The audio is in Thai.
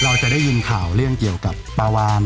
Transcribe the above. เราจะได้ยินข่าวเรื่องเกี่ยวกับปลาวาน